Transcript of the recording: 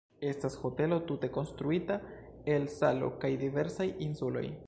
Estas hotelo tute konstruita el salo kaj diversaj insuloj.